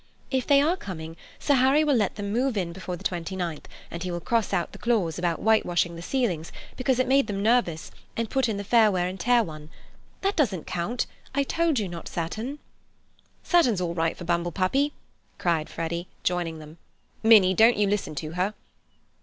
"If they are coming, Sir Harry will let them move in before the twenty ninth, and he will cross out the clause about whitewashing the ceilings, because it made them nervous, and put in the fair wear and tear one.—That doesn't count. I told you not Saturn." "Saturn's all right for bumble puppy," cried Freddy, joining them. "Minnie, don't you listen to her."